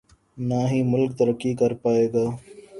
نہ ہی ملک ترقی کر پائے گا۔